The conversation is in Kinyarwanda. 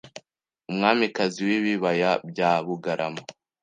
Umwamikazi wibibaya bya bugarama